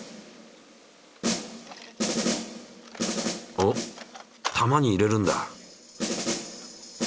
おっ球に入れるんだ。